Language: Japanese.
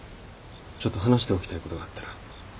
ちょっと話しておきたい事があってな。